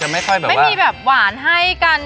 ไม่มีแบบหวานให้กัน